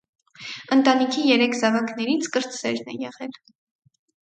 Ընտանիքի երեք զավակներից կրտսերն է եղել։